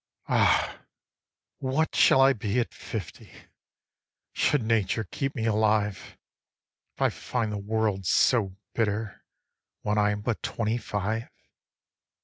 5. Ah, what shall I be at fifty Should Nature keep me alive, If I find the world so bitter When I am but twenty five?